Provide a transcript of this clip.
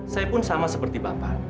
saya pun sama seperti bapak